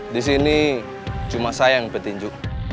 di sini cuma saya yang petinju